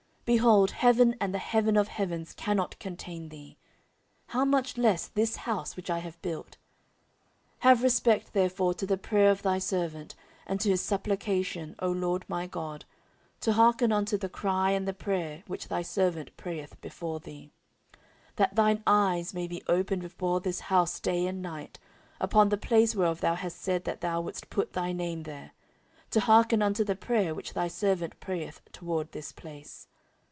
behold, heaven and the heaven of heavens cannot contain thee; how much less this house which I have built! 14:006:019 Have respect therefore to the prayer of thy servant, and to his supplication, O LORD my God, to hearken unto the cry and the prayer which thy servant prayeth before thee: 14:006:020 That thine eyes may be open upon this house day and night, upon the place whereof thou hast said that thou wouldest put thy name there; to hearken unto the prayer which thy servant prayeth toward this place.